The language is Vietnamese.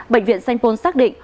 bệnh viện sanh pôn xác định